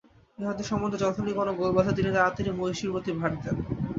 ইহাদের সম্বন্ধে যখনই কোনো গোল বাধে, তিনি তাড়াতাড়ি মহিষীর প্রতি ভার দেন।